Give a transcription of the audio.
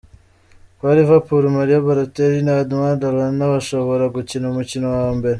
Kwa Liverpool, Mario Balotelli na Adam Lallana bashobora gukina umukino wa mbere.